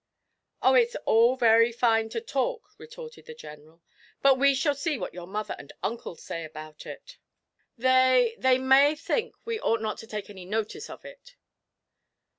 'Oh, it's all very fine to talk,' retorted the General; 'but we shall see what your mother and uncle say about it. They they may think we ought not to take any notice of it.'